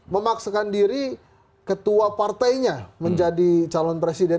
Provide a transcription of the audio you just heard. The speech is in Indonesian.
memaksakan diri ketua partainya menjadi calon presiden